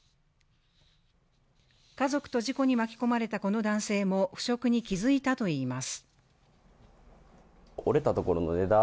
家族と事故に巻き込まれたこの男性も、腐食に気づいたといいます。